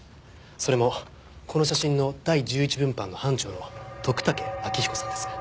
それもこの写真の第１１分班の班長の徳武彰彦さんです。